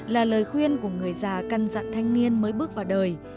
là lời khuyên của người già căn dặn thanh niên mới bước vào đời